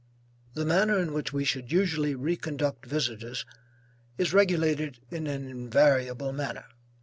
The manner in which we should usually re conduct visitors is regulated in an invariable manner.